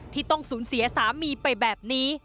ที่ต้องสูญเสียสามีไปแบบนี้